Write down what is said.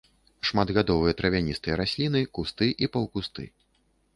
Шматгадовыя травяністыя расліны, кусты і паўкусты.